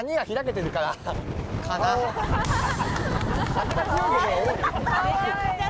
風が強いことが多い。